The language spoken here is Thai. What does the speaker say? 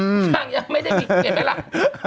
นางยังไม่ได้มีเกียรติไหมล่ะ